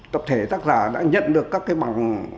tập thể tác giả đã nhận được các cái bảng